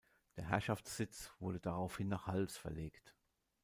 Der Herrschaftssitz wurde daraufhin nach Hals verlegt.